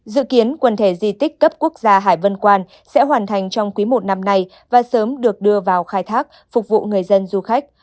dự kiến quần thể di tích cấp quốc gia hải vân quan sẽ hoàn thành trong quý một năm nay và sớm được đưa vào khai thác phục vụ người dân du khách